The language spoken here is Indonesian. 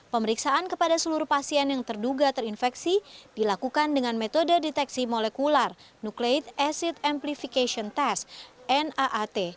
pemeriksaan kepada seluruh pasien yang terduga terinfeksi dilakukan dengan metode deteksi molekular nuclate acid amplification test naat